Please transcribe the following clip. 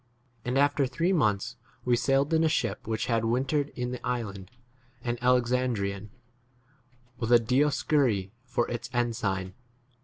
11 And after three months we sailed in a ship which had wintered in the island, an Alexandrian, with 12 [the] Dioscuri for its ensign.